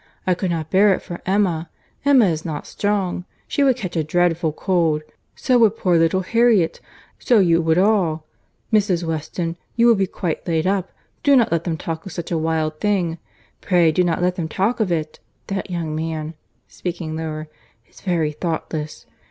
I could not bear it for Emma!—Emma is not strong. She would catch a dreadful cold. So would poor little Harriet. So you would all. Mrs. Weston, you would be quite laid up; do not let them talk of such a wild thing. Pray do not let them talk of it. That young man (speaking lower) is very thoughtless.